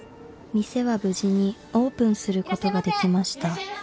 ［店は無事にオープンすることができました］